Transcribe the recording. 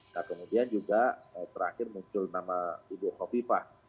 nah kemudian juga terakhir muncul nama ibu kofi fah